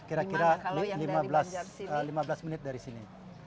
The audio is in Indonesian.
kira kira lima belas menit dari sini